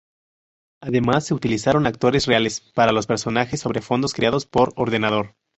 Además, se utilizaron actores reales para los personajes, sobre fondos creados por ordenador.